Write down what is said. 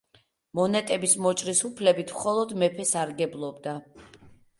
მონეტების მოჭრის უფლებით მხოლოდ მეფე სარგებლობდა.